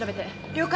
了解！